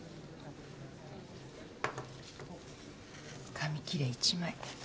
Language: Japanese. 紙切れ１枚。